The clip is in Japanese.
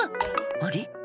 あれ？